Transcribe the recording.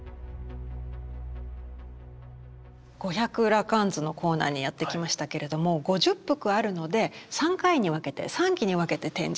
「五百羅漢図」のコーナーにやって来ましたけれども５０幅あるので３回に分けて３期に分けて展示中ということなんですね。